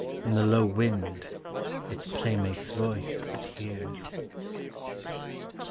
When the low wind, its playmate's voice, it hears.